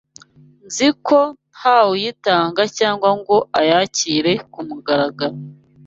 nziko ntawuyitanga cyangwa ngo ayakire kumugaragaro